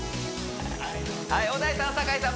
はい小田井さん酒井さん